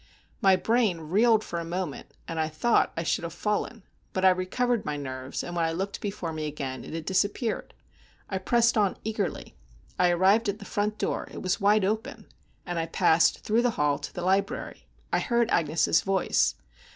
My brain reeled for a moment, and I thought I should have fallen; but I recovered my nerves, and when I looked before me again, it had disappeared. I pressed on eagerly. I arrived at the front door—it was wide open; and I passed through the hall to the library. I heard Agnes' voice.